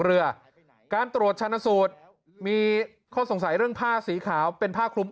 เรือการตรวจชนะสูตรมีข้อสงสัยเรื่องผ้าสีขาวเป็นผ้าคลุม